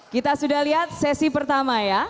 kita sudah lihat sesi pertama ya